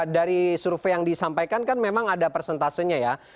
dari survei yang disampaikan kan memang ada persentasenya ya